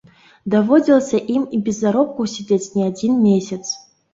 Даводзілася ім і без заробку сядзець не адзін месяц.